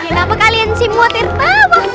kenapa kalian si muatir bawah